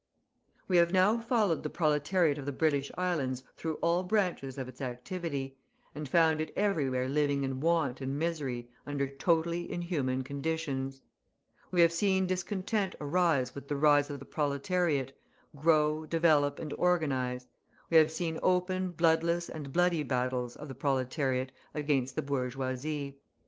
We have now followed the proletariat of the British Islands through all branches of its activity, and found it everywhere living in want and misery under totally inhuman conditions. We have seen discontent arise with the rise of the proletariat, grow, develop, and organise; we have seen open bloodless and bloody battles of the proletariat against the bourgeoisie.